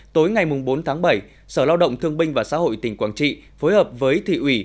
tối ngày bốn tháng bảy sở lao động thương binh và xã hội tỉnh quảng trị phối hợp với thị ủy